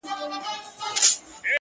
سیاه پوسي ده ـ خاوري مي ژوند سه ـ